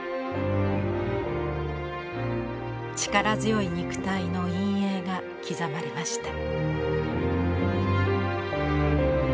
力強い肉体の陰影が刻まれました。